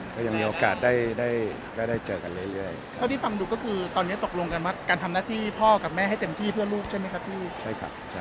ก็ยังมีโอกาสได้เจอกันเรื่อย